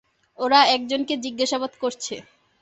ওরা একজনকে জিজ্ঞাসাবাদ করছে।